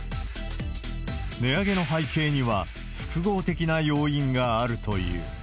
値上げの背景には複合的な要因があるという。